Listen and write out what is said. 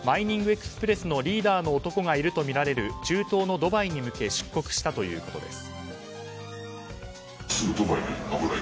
エクスプレスのリーダーの男がいるとみられる中東のドバイに向け出国したということです。